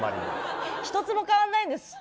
１つも変わらないんです。